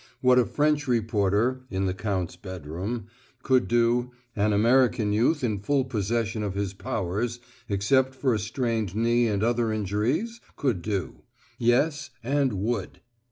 What a French reporter (in the Count's bedroom) could do, an American youth in full possession of his powers except for a strained knee and other injuries could do. Yes, and would!